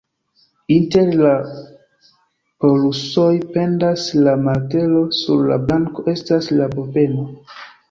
Inter la polusoj pendas la martelo, sur la brako estas la bobeno.